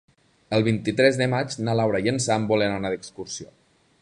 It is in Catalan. El vint-i-tres de maig na Laura i en Sam volen anar d'excursió.